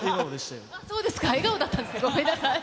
そうですか、笑顔だったんですね、ごめんなさい。